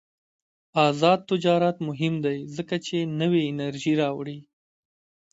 آزاد تجارت مهم دی ځکه چې نوې انرژي راوړي.